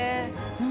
何？